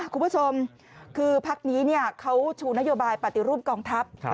คุณผู้ชมคือพักนี้เขาชูนโยบายปฏิรูปกองทัพ